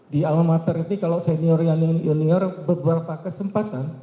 di alma mater ini kalau senior yang junior beberapa kesempatan